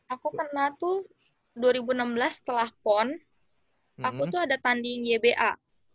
aku kena tuh dua ribu enam belas setelah pon aku tuh ada tanding yba